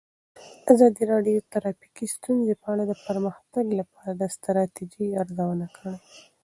ازادي راډیو د ټرافیکي ستونزې په اړه د پرمختګ لپاره د ستراتیژۍ ارزونه کړې.